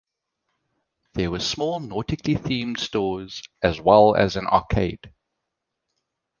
There were small nautically themed stores as well as an arcade.